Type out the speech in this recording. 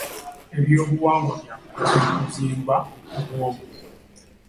Ebyobuwangwa bya mugaso mu kuzimba obw'omuntu